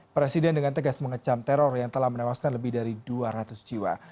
presiden dengan tegas mengecam teror yang telah menewaskan lebih dari dua ratus jiwa